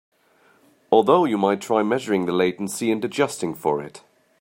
Although you might try measuring the latency and adjusting for it.